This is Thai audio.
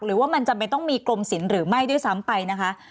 หรือว่ามันจำเป็นต้องมีกรมศิลป์หรือไม่ด้วยซ้ำไปนะคะ